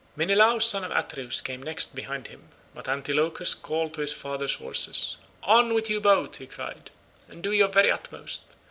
Menelaus son of Atreus came next behind him, but Antilochus called to his father's horses. "On with you both," he cried, "and do your very utmost.